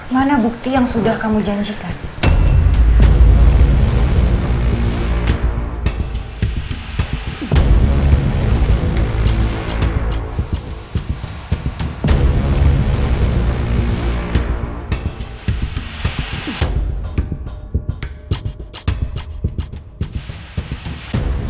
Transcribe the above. mana bukti yang sudah kamu janjikan